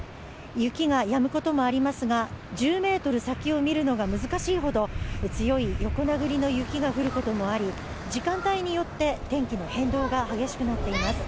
雪がやむこともありますが、１０ｍ先を見るのが難しいほど強い横殴りの雪が降ることもあり時間帯によって天気の変動が激しくなっています。